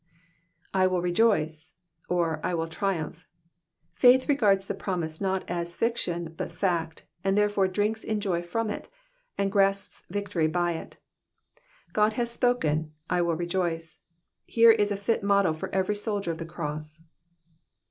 ^^ I will rejoice^'''* or *' I will triumph.'' Faith regards the promise not as fiction but fact, and therefore drinks in joy from it, and grasps victory by it. God hath spoken ; I will rejoice :" here is a fit motto for every soldier of the cross.